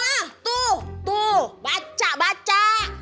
wah tuh tuh baca baca